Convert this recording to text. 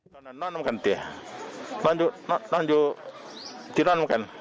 ตอนนั้นนอนเหมือนกันเตี๋ยวนอนอยู่นอนอยู่ที่นอนเหมือนกัน